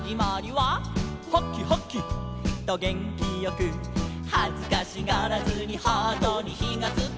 「ハキハキ！とげんきよく」「はずかしがらずにハートにひがつきゃ」